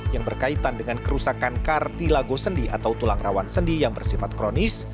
yang berkaitan dengan kerusakan kartilago sendi atau tulang rawan sendi yang bersifat kronis